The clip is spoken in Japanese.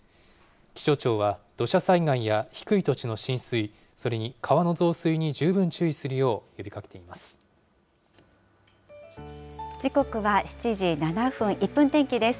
気象庁は、土砂災害や低い土地の浸水、それに川の増水に十分注意するよう呼びかけています。